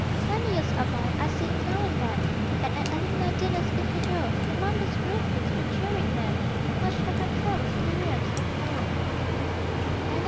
Ten years are by: I see him now and then, And at alumni dinners, if cajoled, He mumbles gravely, to the cheering men: _Much have I travelled in the realms of gold.